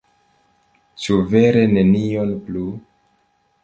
Ĉu vere nenion plu?